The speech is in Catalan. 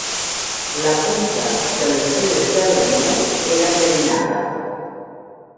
La punta de les seves javelines era enverinada.